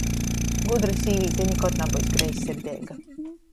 Gudra sīvīte nikod nabyus greizsirdeiga.